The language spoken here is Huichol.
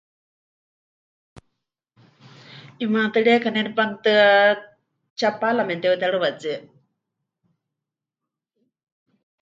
'Imaatɨrieka ne nepanutɨ́a Chapala memɨte'utérɨwatsie.